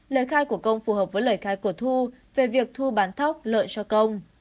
lời khai của công phù hợp với lời khai của thu về việc thu bán thóc lợi cho công